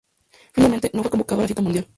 Finalmente, no fue convocado a la cita mundial.